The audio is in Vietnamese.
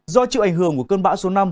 do chịu ảnh hưởng của cơn bão số năm